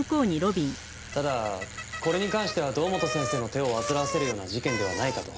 ただこれに関しては堂本先生の手を煩わせるような事件ではないかと。